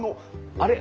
あれ！